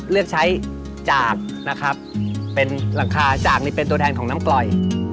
เลือกใช้จากนะครับเป็นหลังคาจากนี่เป็นตัวแทนของน้ำกล่อย